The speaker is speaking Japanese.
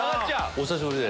「お久しぶりで」。